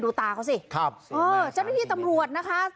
ดูตาเขาสิครับจัดพิธีตำรวจนะคะ